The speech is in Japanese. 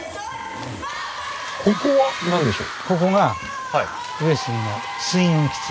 ここは何でしょう？